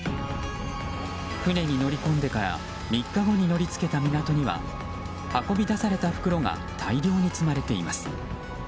船に乗り込んでから３日後に乗り付けた港には運び出された袋が大量に積まれています。